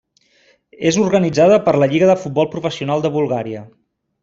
És organitzada per la Lliga de Futbol Professional de Bulgària.